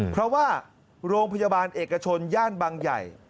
เพราะว่าโรงพยาบาลเอกชนย่านบางใหญ่